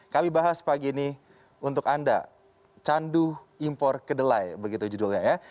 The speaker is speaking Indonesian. kami bahas pagi ini untuk anda candu impor kedelai begitu judulnya ya